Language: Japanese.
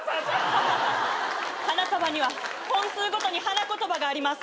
花束には本数ごとに花言葉があります。